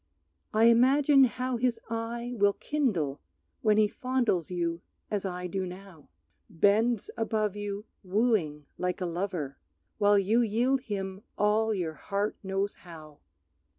I imagine how his eye will kindle When he fondles you as I do now, Bends above you wooing like a lover, While you yield him all your heart knows how.